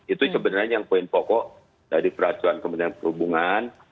itu sebenarnya yang poin pokok dari peracuan kemudian perhubungan